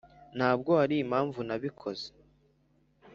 ntabwo arimpamvu nabikoze.